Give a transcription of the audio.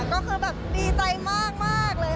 ก็คือดีใจมากเลยค่ะ